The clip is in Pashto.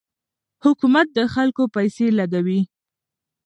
حکومت د خلکو پیسې لګوي.